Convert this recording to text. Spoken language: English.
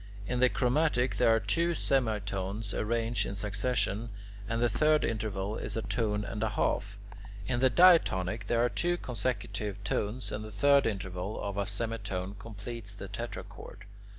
In the chromatic there are two semitones arranged in succession, and the third interval is a tone and a half. In the diatonic, there are two consecutive tones, and the third interval of a semitone completes the tetrachord.